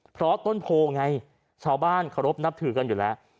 เพราะต้นโพไงชาวบ้านเคารพนับถือกันอยู่แล้ว